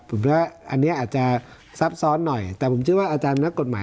ผมคิดว่าอันนี้อาจจะซับซ้อนหน่อยแต่ผมเชื่อว่าอาจารย์นักกฎหมาย